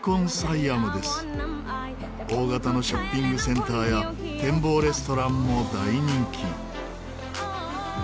大型のショッピングセンターや展望レストランも大人気。